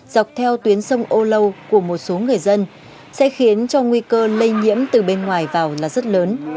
dọc theo tuyến sông âu lâu của một số người dân sẽ khiến cho nguy cơ lây nhiễm từ bên ngoài vào là rất lớn